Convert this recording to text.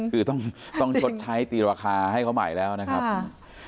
คือต้องชดใช้ตีราคาให้เขาใหม่แล้วนะครับ